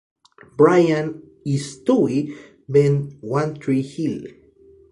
Brian y Stewie ven "One Tree Hill".